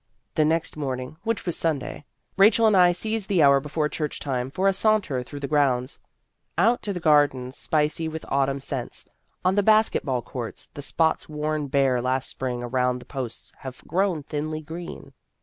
The next morning, which was Sunday, Rachel and I seized the hour before church time for a saunter through the grounds. Out to the gardens spicy with autumn scents. On the basket ball courts, the spots worn bare last spring around the posts have grown thinly green.